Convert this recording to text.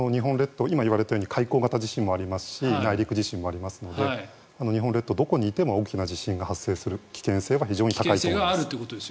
今言われたように海溝型の地震もありますし内陸地震もありますので日本列島、どこにいても大きな地震が発生する危険性は非常に高いと思います。